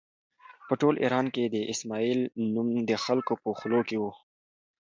په ټول ایران کې د اسماعیل نوم د خلکو په خولو کې و.